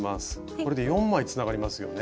これで４枚つながりますよね。